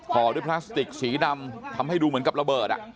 ห่อด้วยพลาสติกสีดำทำให้ดูเหมือนกับระเบิด